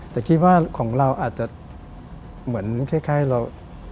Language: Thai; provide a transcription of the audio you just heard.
แต่คิดว่าของเราอาจจะเหมือนคล้ายเรา